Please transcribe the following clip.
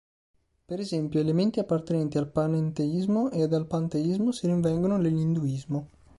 Per esempio, elementi appartenenti al panenteismo ed al panteismo si rinvengono nell'Induismo.